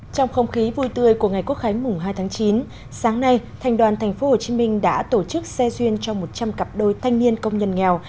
trong không khí vui tươi của ngày quốc khái mùng hai tháng chín sáng nay thành đoàn thành phố hồ chí minh đã tổ chức xe duyên cho một trăm linh cặp đôi thanh niên công nhân nghèo